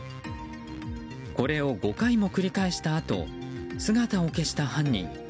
これを５回も繰り返したあと姿を消した犯人。